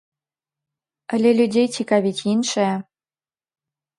Але людзей цікавіць іншае.